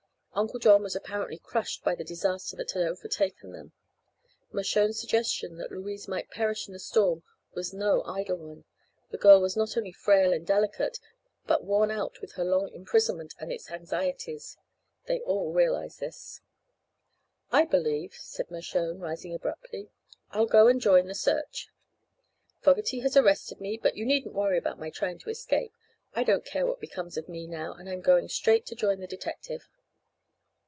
Uncle John was apparently crushed by the disaster that had overtaken them. Mershone's suggestion that Louise might perish in the storm was no idle one; the girl was not only frail and delicate but worn out with her long imprisonment and its anxieties. They all realized this. "I believe," said Mershone, rising abruptly, "I'll go and join the search. Fogerty has arrested me, but you needn't worry about my trying to escape. I don't care what becomes of me, now, and I'm going straight to join the detective."